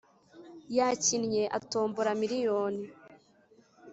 Yakinnye atombora miriyoni